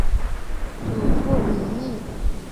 祖父李毅。